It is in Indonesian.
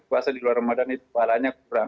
puasa di luar ramadan itu pahalanya kurang